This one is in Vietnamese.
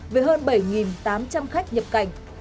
với hơn bảy tám trăm linh khách nhập cảnh